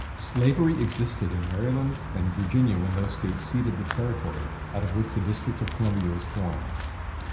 Slavery existed in Maryland and Virginia when these States ceded the territory out of which the District of Columbia was formed.